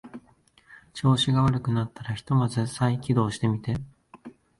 調子が悪くなったらひとまず再起動してみて